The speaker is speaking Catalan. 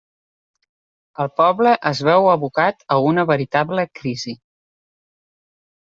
El poble es veu abocat a una veritable crisi.